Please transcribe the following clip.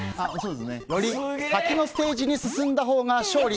より先のステージに進んだほうが勝利。